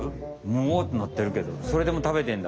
うおってなってるけどそれでも食べてんだ。